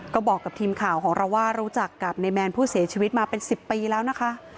ก็บอกกับทีมข่าวของเราว่ารู้จักกับนายแมนผู้เสียชีวิตมาเป็น๑๐ปีแล้วนะคะ